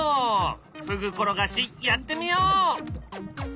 ふぐころがしやってみよう！